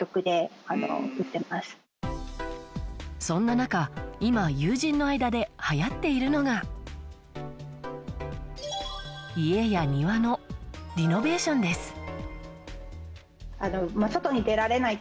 そんな中、今、友人の間ではやっているのが家や庭のリノベーションです。